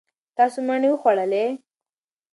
تاسو مڼې وخوړلې.